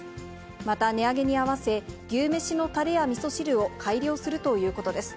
また値上げに合わせ、牛めしのたれやみそ汁を改良するということです。